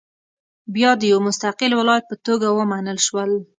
بیا د یو مستقل ولایت په توګه ومنل شول.